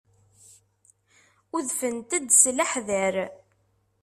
Udfent-d s leḥder.